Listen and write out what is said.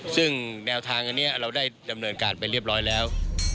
ซึ่งแนวทางอันนี้เราได้ดำเนินการไปเรียบร้อยแล้ว